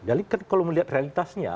jadi kalau melihat realitasnya